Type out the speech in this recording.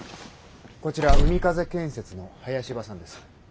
こちら海風建設の林葉さんです。